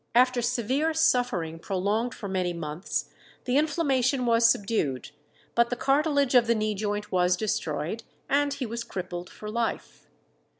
After severe suffering prolonged for many months, the inflammation was subdued, but the cartilage of the knee joint was destroyed, and he was crippled for life.